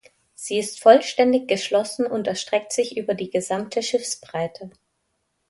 Sie ist vollständig geschlossen und erstreckt sich über die gesamte Schiffsbreite.